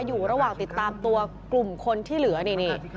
อยู่ระหว่างติดตามตัวกลุ่มคนที่เหลือนี่